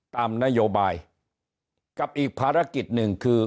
ตามนโยบายกับอีกภารกิจหนึ่งคือ